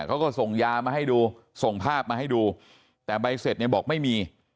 เขาก็ส่งยามาให้ดูส่งภาพมาให้ดูแต่ใบเสร็จเนี่ยบอกไม่มี